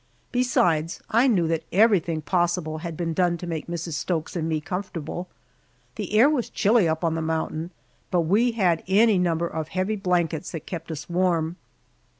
Besides, I knew that everything possible had been done to make Mrs. Stokes and me comfortable. The air was chilly up on the mountain, but we had any number of heavy blankets that kept us warm.